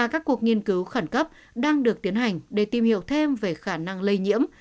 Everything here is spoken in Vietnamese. các cuộc nghiên cứu khẩn cấp đang được tiến hành để tìm hiểu thêm về khả năng lây nhiễm